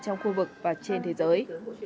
trong khu vực và trên thế giới